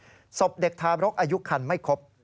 อาจจะเกิดจากแม่ที่ไปทำแท้งเถื่อน